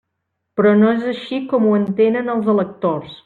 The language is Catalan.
Però no és així com ho entenen els electors.